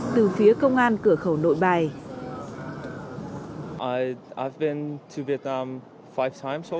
từ phía công an cửa khẩu nội bài